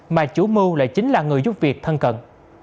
mà chủ mưu lại chính là người giúp việc thân cận